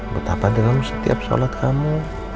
betapa dengan setiap sholat kamu